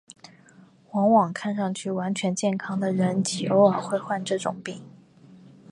往往看上去完全健康的人极偶尔会患这种病。